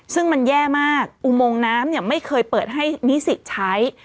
ซึ่งมันแย่มากอุโมงน้ำเนี่ยไม่เคยเปิดให้นิสิตใช้